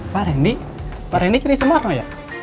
pak rendy pak rendy kini sumarno ya